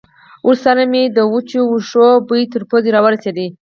ورسره مې د وچو وښو بوی تر پوزې را ورسېد.